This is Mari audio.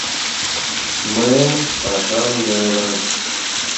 — Мыйын пашам неле.